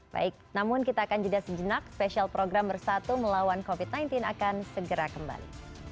baik namun kita akan jeda sejenak special program bersatu melawan covid sembilan belas akan segera kembali